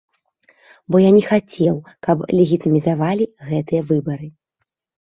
Бо я не хацеў, каб легітымізавалі гэтыя выбары.